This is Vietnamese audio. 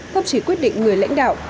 không chỉ quyết định người lãnh đạo